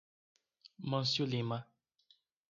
Mâncio Lima